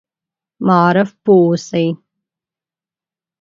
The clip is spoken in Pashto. معارف پوه اوسي.